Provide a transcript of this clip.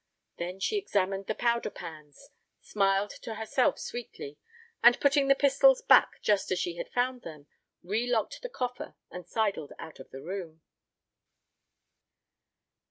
Then she examined the powder pans, smiled to herself sweetly, and, putting the pistols back just as she had found them, relocked the coffer and sidled out of the room.